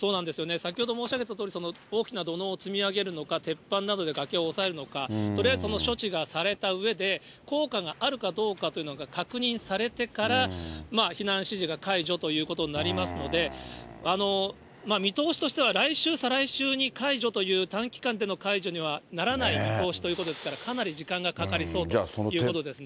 先ほど申し上げたとおり、大きな土のうを積み上げるのか、鉄板などで崖を押さえるのか、とりあえずその処置がされたうえで、効果があるかどうかというのが確認されてから、避難指示が解除ということになりますので、見通しとしては来週、再来週に解除という、短期間での解除にはならない見通しということですから、かなり時間がかかりそうということですね。